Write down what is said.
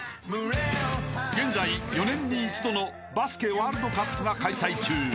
［現在４年に一度のバスケワールドカップが開催中］